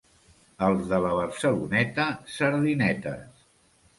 Els de la Barceloneta, sardinetes.